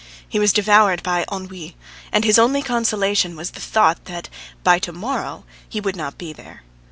He was devoured by ennui and his only consolation was the thought that by to morrow he would not be there.